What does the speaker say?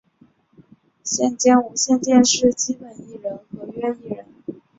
现兼无线电视基本艺人合约艺人。